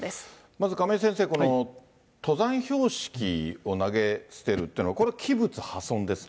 まず亀井先生、この登山標識を投げ捨てるというの、これ器物破損ですか。